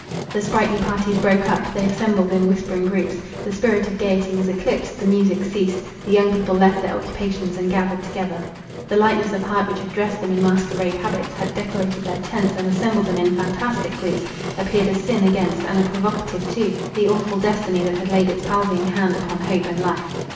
The sprightly parties broke up—they assembled in whispering groups. The spirit of gaiety was eclipsed; the music ceased; the young people left their occupations and gathered together. The lightness of heart which had dressed them in masquerade habits, had decorated their tents, and assembled them in fantastic groups, appeared a sin against, and a provocative to, the awful destiny that had laid its palsying hand upon hope and life.